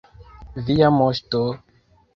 Via moŝto!